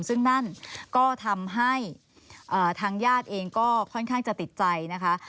ซึ่งนั่นก็ทำให้ทางญาติเองก็ค่อนข้างจะติดใจนะคะ